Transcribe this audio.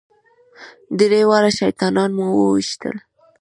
درې واړه شیطانان مو وويشتل.